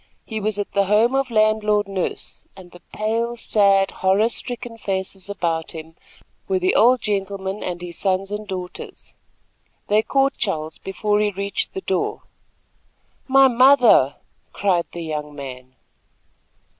He was at the home of Landlord Nurse, and the pale, sad, horror stricken faces about him were the old gentleman and his sons and daughters. They caught Charles before he reached the door. "My mother!" cried the young man.